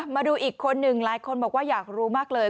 มาดูอีกคนหนึ่งหลายคนบอกว่าอยากรู้มากเลย